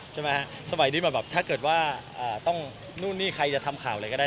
สมัยนี้แบบถ้าเกิดว่าต้องนู่นนี่ใครจะทำข่าวอะไรก็ได้